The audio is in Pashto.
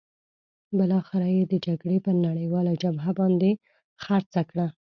بالاخره یې د جګړې پر نړیواله جبهه باندې خرڅه کړه.